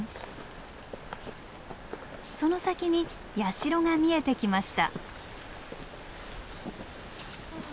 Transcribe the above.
その先に社が見えてきました。